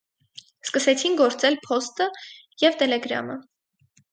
Սկսեցին գործել փոստը և տելեգրամը։